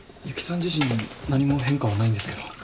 由岐さん自身に何も変化はないんですけど。